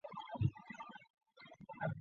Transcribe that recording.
柿田川流经町内。